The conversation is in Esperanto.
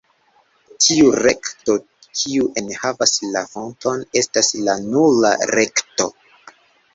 Tiu rekto kiu enhavas la fonton estas la "nula" rekto.